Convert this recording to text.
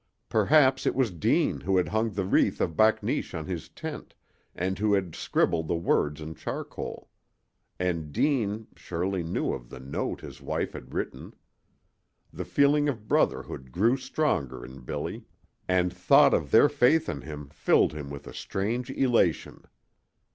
Perhaps it was Deane who had hung the wreath of bakneesh on his tent and who had scribbled the words in charcoal. And Deane surely knew of the note his wife had written. The feeling of brotherhood grew stronger in Billy, and thought of their faith in him filled him with a strange elation.